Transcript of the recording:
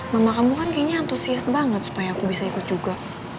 mama kamu kan kayaknya antusias banget supaya aku bisa ikut juga